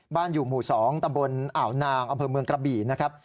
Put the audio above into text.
อยู่หมู่๒ตำบลอ่าวนางอำเภอเมืองกระบี่นะครับ